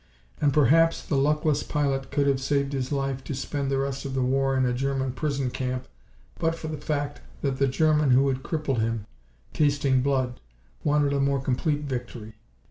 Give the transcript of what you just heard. And perhaps the luckless pilot could have saved his life to spend the rest of the war in a German prison camp but for the fact that the German who had crippled him, tasting blood, wanted a more complete victory.